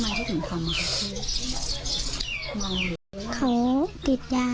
พี่น้องของผู้เสียหายแล้วเสร็จแล้วมีการของผู้เสียหาย